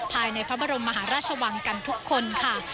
ภายในพระบรมมหาราชวังกันทุกคนค่ะ